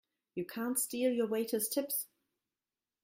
You can't steal your waiters' tips!